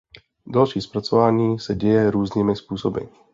Další zpracování se děje různými způsoby.